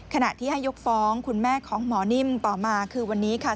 ขณะที่ให้ยกฟ้องคุณแม่ของหมอนิ่มต่อมาคือวันนี้ค่ะ